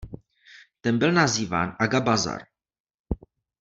Ten byl nazýván Aga bazar.